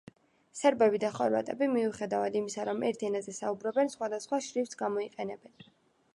სერბები და ხორვატები მიუხედავად იმისა, რომ ერთ ენაზე საუბრობენ, სხვადასხვა შრიფტს გამოიყენებენ.